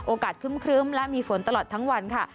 ครึ้มและมีฝนตลอดทั้งวันค่ะ